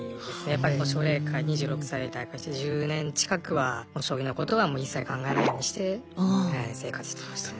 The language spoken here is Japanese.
やっぱり奨励会２６歳で退会して１０年近くは将棋のことはもう一切考えないようにして生活してました。